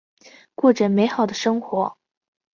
过着美好的生活。